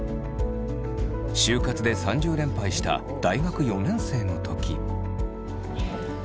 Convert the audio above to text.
就活で３０連敗した大学４年生の時。